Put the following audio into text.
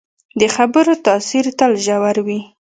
د خبرو تاثیر تل ژور وي